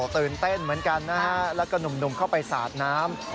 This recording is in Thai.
ตื่นเต้นเหมือนกันนะฮะแล้วก็หนุ่มเข้าไปสาดน้ำ